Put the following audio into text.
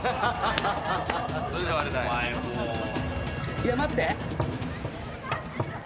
いや待って。